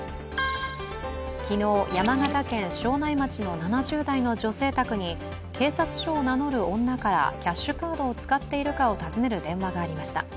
昨日、山形県庄内町の７０代の女性宅に警察署を名乗る女からキャッシュカードを使っているかを尋ねる電話がありました。